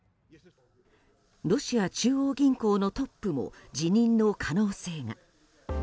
ロシア中央銀行のトップも辞任の可能性が。